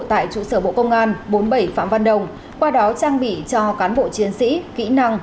tại trụ sở bộ công an bốn mươi bảy phạm văn đồng qua đó trang bị cho cán bộ chiến sĩ kỹ năng